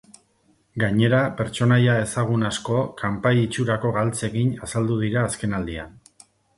Gainera, pertsonaia ezagun asko kanpai itxurako galtzekin azaldu dira azkenaldian.